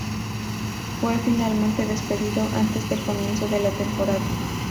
Fue finalmente despedido antes del comienzo de la temporada.